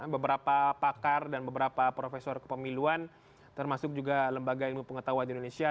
beberapa pakar dan beberapa profesor kepemiluan termasuk juga lembaga ilmu pengetahuan di indonesia